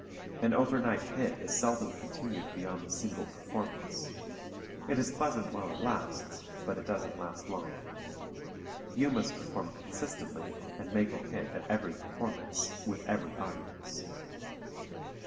An "overnight hit" is seldom continued beyond the single performance. It is pleasant while it lasts, but it doesn't last long. You must perform consistently and "make a hit" at every performance, with every audience.